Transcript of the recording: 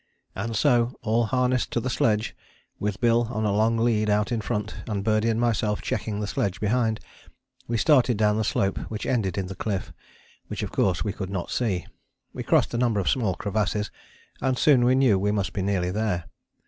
And so, all harnessed to the sledge, with Bill on a long lead out in front and Birdie and myself checking the sledge behind, we started down the slope which ended in the cliff, which of course we could not see. We crossed a number of small crevasses, and soon we knew we must be nearly there.